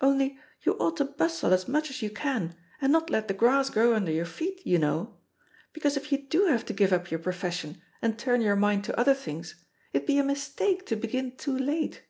Only you ought to bustle as much as you can and not let the grass grow under your feet, you know I Because if ju do have to give up your profession and turn ybur mind to other things, it'd be a mistake to begin too late.